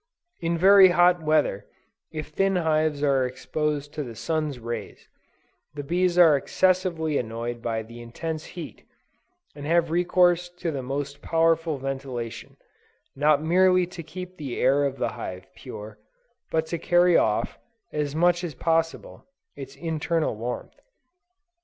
In very hot weather, if thin hives are exposed to the sun's rays, the bees are excessively annoyed by the intense heat, and have recourse to the most powerful ventilation, not merely to keep the air of the hive pure, but to carry off, as much as possible, its internal warmth.